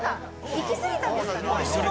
いきすぎたんですかね。